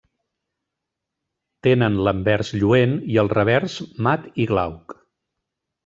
Tenen l'anvers lluent i el revers mat i glauc.